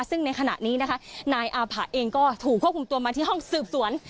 ซึ่งในขณะนี้นะคะนายอาผะเองก็ถูกควบคุมตัวมาที่ห้องสืบสวน